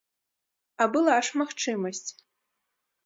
А была ж магчымасць.